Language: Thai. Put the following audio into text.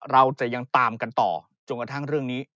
เราจะยังตามกันต่อจนกระทั่งเรื่องนี้